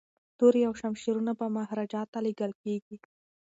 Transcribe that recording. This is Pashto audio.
توري او شمشیرونه به مهاراجا ته لیږل کیږي.